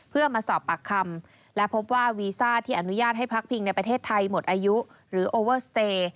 เพื่อมาสอบปากคำและพบว่าวีซ่าที่อนุญาตให้พักพิงในประเทศไทยหมดอายุหรือโอเวอร์สเตย์